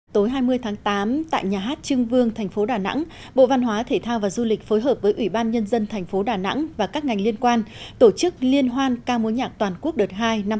tối hai mươi tháng tám tại nhà hát trưng vương thành phố đà nẵng bộ văn hóa thể thao và du lịch phối hợp với ủy ban nhân dân thành phố đà nẵng và các ngành liên quan tổ chức liên hoan ca mối nhạc toàn quốc đợt hai năm hai nghìn hai mươi